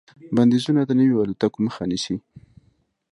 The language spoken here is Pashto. بندیزونه د نویو الوتکو مخه نیسي.